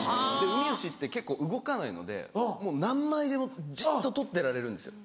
ウミウシって動かないのでもう何枚でもじっと撮ってられるんですよ。